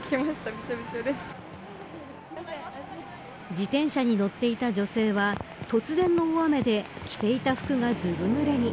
自転車に乗っていた女性は突然の大雨で着ていた服がずぶぬれに。